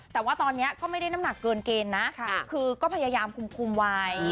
แต่ว่าตอนนี้ก็ไม่ได้น้ำหนักเกินเกณฑ์นะคือก็พยายามคุมไว้